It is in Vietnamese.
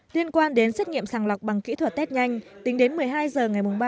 liên quan đến xét nghiệm sàng lọc bằng kỹ thuật test nhanh tính đến một mươi hai h ngày ba